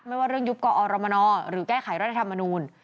ว่าเรื่องยุบกอรมนหรือแก้ไขรัฐธรรมนูล